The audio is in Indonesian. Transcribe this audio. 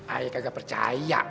ayah kagak percaya